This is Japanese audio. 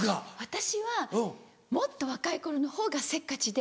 私はもっと若い頃のほうがせっかちで。